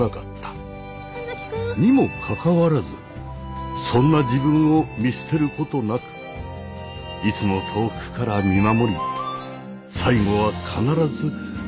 にもかかわらずそんな自分を見捨てることなくいつも遠くから見守り最後は必ずこうして助けてくれる。